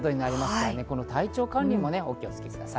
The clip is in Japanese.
体調管理もお気をつけください。